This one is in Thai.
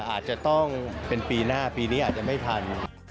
อาจจะต้องเป็นปีหน้าปีนี้อาจจะไม่ทัน